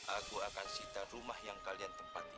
aku akan sita rumah yang kalian tempati